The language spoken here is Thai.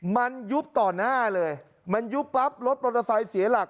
มันยุบต่อหน้าเลยมันยุบปั๊บรถปรถสายเสียหลัก